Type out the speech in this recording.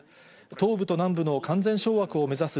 東部と南部の完全掌握を目指す